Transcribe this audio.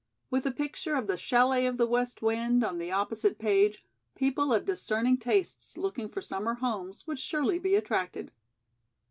With a picture of the "Chalet of the West Wind" on the opposite page, people of discerning tastes, looking for summer homes, would surely be attracted.